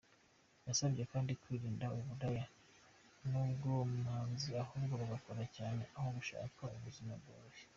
Yabasabye kandi kwirinda uburaya n’ubwomanzi ahubwo bagakora cyane aho gushaka ubuzima bworoshye.